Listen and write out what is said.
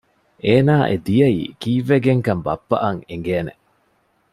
އޭނާ އެ ދިޔައީ ކީއްވެގެންކަން ބައްޕައަށް އެނގޭނެ